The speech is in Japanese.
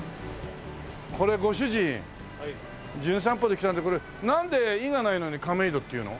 これご主人『じゅん散歩』で来たんだけどこれなんで「い」がないのに「かめいど」っていうの？